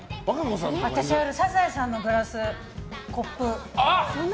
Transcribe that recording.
私、「サザエさん」のコップ。